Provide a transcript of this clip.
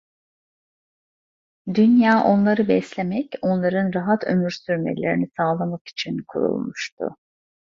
Dünya onları beslemek, onların rahat ömür sürmelerini sağlamak için kurulmuştu.